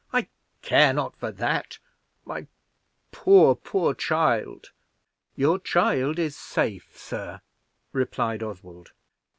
"I care not for that. My poor, poor child!" "Your child is safe, sir," replied Oswald.